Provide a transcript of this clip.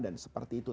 dan seperti itu